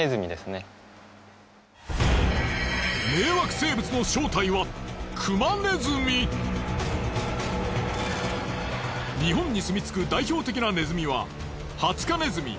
迷惑生物の正体は日本に住み着く代表的なネズミは。